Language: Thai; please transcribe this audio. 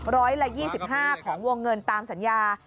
ร้อยละ๒๕ของวงเงินตามสัญญา